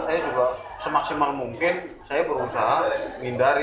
saya juga semaksimal mungkin saya berusaha menghindari